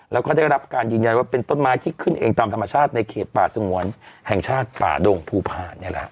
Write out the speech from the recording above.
แล้วก็ได้รับการยืนยันว่าเป็นต้นไม้ที่ขึ้นเองตามธรรมชาติในเขตป่าสงวนแห่งชาติป่าดงภูพาลนี่แหละ